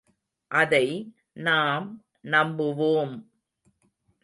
அதை நாம் நம்புவோம்!